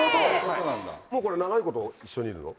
もうこれ長いこと一緒にいるの？